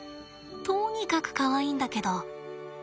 とにかくかわいいんだけど。